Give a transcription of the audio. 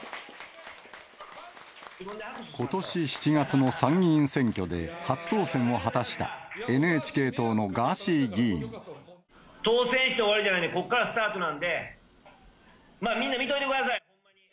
ことし７月の参議院選挙で初当選を果たした、当選して終わりじゃないので、ここからスタートなんで、まあみんな見といてください。